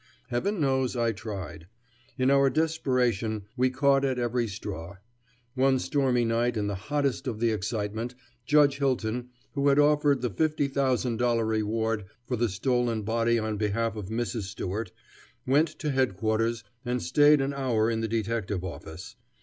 Heaven knows I tried. In our desperation we caught at every straw. One stormy night in the hottest of the excitement Judge Hilton, who had offered the $50,000 reward for the stolen body on behalf of Mrs. Stewart, went to Headquarters and stayed an hour in the detective office.